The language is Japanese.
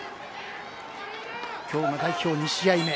今日が代表２試合目。